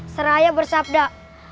seraya bersama sama dengan allah dan berkata